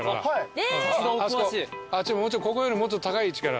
ここよりもうちょっと高い位置から。